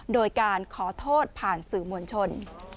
โดยการขอโทษผ่านสื่อมวลชน